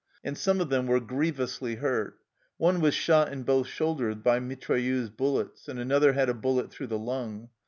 And some of them were griev ously hurt. One was shot in both shoulders by mitrailleuse bullets, and another had a bullet through the lung.